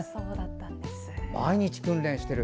毎日訓練している。